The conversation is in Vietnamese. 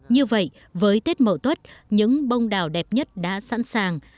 như vậy với tết mậu tuất những bông đảo đẹp nhất đã sẵn sàng